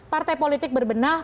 partai politik berbenah